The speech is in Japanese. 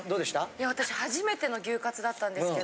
いや私はじめての牛カツだったんですけど。